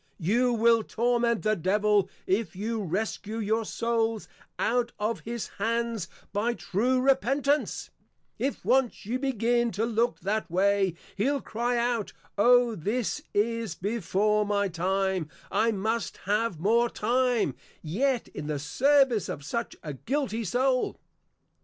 _ You will Torment the Devil, if you Rescue your Souls out of his hands, by true Repentance: If once you begin to look that way, he'll Cry out, _O this is before my Time, I must have more Time, yet in the Service of such a guilty Soul.